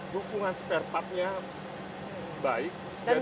hukuman spare part nya baik